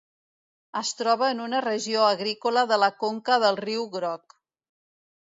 Es troba en una regió agrícola de la conca del Riu Groc.